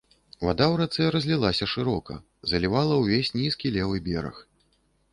Вада ў рацэ разлілася шырока, залівала ўвесь нізкі левы бераг.